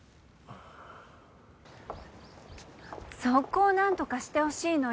そこをなんとかしてほしいのよ。